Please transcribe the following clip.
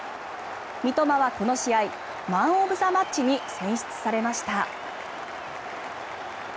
三笘はこの試合マン・オブ・ザ・マッチに選出されました。